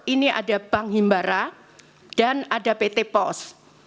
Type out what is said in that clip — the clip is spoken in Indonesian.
ini ada bank himbara dan ada pt pos